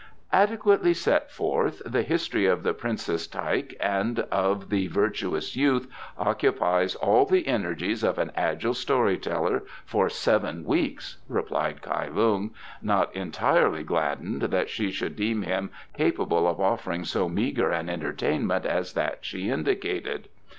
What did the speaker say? "Adequately set forth, the history of the Princess Taik and of the virtuous youth occupies all the energies of an agile story teller for seven weeks," replied Kai Lung, not entirely gladdened that she should deem him capable of offering so meagre an entertainment as that she indicated.